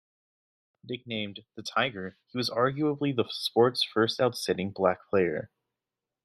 Nicknamed "The Tiger", he was arguably the sport's first outstanding black player.